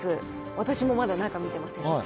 私もまだ中見てません。